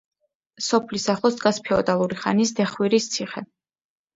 სოფლის ახლოს დგას ფეოდალური ხანის დეხვირის ციხე.